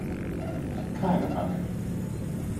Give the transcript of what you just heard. Keine Bange!